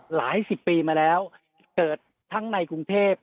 หลายสิบปีมาแล้วเกิดทั้งในกรุงเทพ